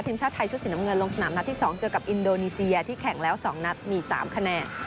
ทีมชาติไทยชุดสีน้ำเงินลงสนามนัดที่๒เจอกับอินโดนีเซียที่แข่งแล้ว๒นัดมี๓คะแนน